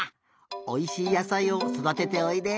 おいしい野さいをそだてておいで！